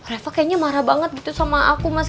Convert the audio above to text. reva kayaknya marah banget gitu sama aku mas